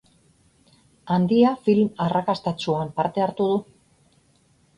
Handia film arrakastatsuan parte hartu du.